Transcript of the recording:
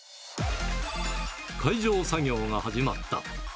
解錠作業が始まった。